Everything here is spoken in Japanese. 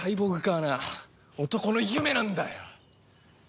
はな男の夢なんだよ！